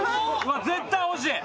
絶対欲しい。